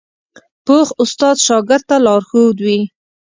پوخ استاد شاګرد ته لارښود وي